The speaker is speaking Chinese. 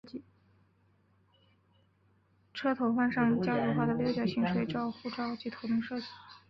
车头换上家族化的六角形水箱护罩及头灯设计。